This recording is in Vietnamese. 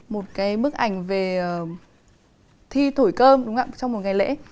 một cái bức ảnh về thi thổi cơm trong một ngày lễ